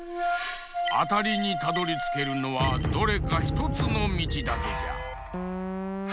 あたりにたどりつけるのはどれかひとつのみちだけじゃ。